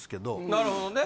なるほどね。